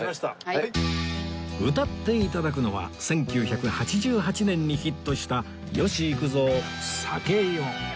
歌って頂くのは１９８８年にヒットした吉幾三『酒よ』